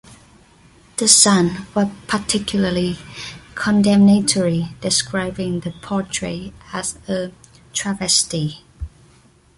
"The Sun" was particularly condemnatory, describing the portrait as "a travesty".